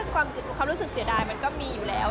ความรู้สึกเสียดายมันก็มีอยู่แล้ว